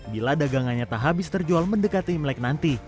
bila dagangannya tak habis terjual mendekati imlek nanti